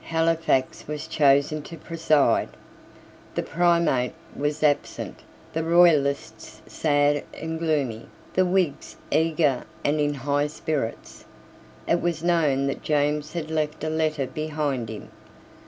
Halifax was chosen to preside. The Primate was absent, the Royalists sad and gloomy, the Whigs eager and in high spirits. It was known that James had left a letter behind him.